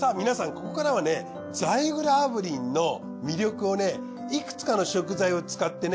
ここからはねザイグル炙輪の魅力をいくつかの食材を使ってね。